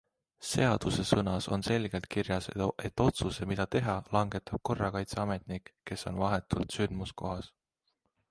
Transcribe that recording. Seadusesõnas on selgelt kirjas, et otsuse, mida teha, langetab korrakaitseametnik, kes on vahetult sündmuskohas.